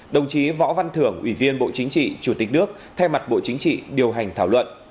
đồng chí võ văn thưởng ủy viên bộ chính trị chủ tịch nước thay mặt bộ chính trị điều hành thảo luận